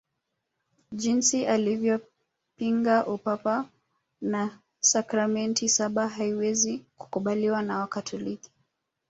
Jinsi alivyopinga Upapa na sakramenti saba haiwezi kukubaliwa na Wakatoliki